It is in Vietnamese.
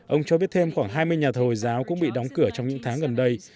ông cho biết thêm khoảng hai mươi nhà thờ hồi giáo cũng bị đóng cửa trong những tháng gần đây